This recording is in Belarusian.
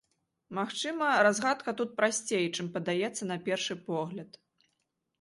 Магчыма, разгадка тут прасцей, чым падаецца на першы погляд.